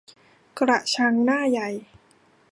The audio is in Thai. กระชังหน้าใหญ่